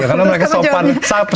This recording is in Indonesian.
ya karena mereka sopan